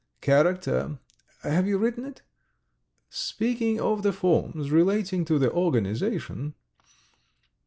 "Character ... have you written it? Speaking of the forms relating to the organization